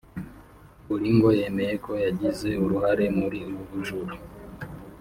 Bolingo yemeye ko yagize uruhare muri ubu bujura